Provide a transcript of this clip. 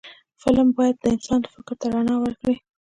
فلم باید د انسان فکر ته رڼا ورکړي